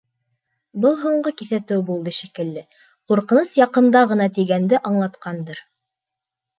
Был һуңғы киҫәтеү булды, шикелле, ҡурҡыныс яҡында ғына тигәнде аңлатҡандыр.